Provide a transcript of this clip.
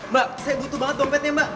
mbak saya butuh banget dompetnya mbak